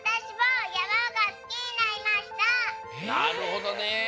なるほどね！